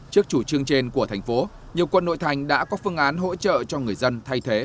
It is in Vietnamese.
trước chủ trương trên của thành phố nhiều quận nội thành đã có phương án hỗ trợ cho người dân thay thế